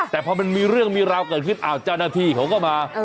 แต่พอมันมีเรื่องมีราวเกิดขึ้นเจ้าหน้าที่เขาก็มา